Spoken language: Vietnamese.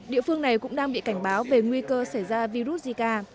địa phương này cũng đang bị cảnh báo về nguy cơ xảy ra virus zika